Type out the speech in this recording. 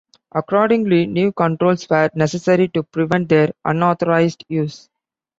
Accordingly, new controls were necessary to prevent their unauthorized use.